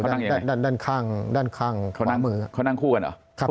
อ่าอยู่ด้านด้านข้างด้านข้างขวามือเขานั่งคู่กันเหรอ